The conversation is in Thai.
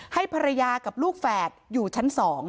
ให้ภรรยากับลูกแฝดอยู่ชั้น๒